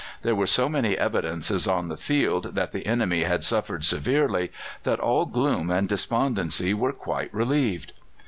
There were so many evidences on the field that the enemy had suffered severely that all gloom and despondency were quite relieved.